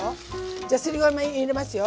じゃあすりごま入れますよ。